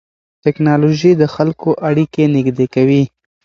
ټیکنالوژي د خلکو اړیکې نږدې کوي.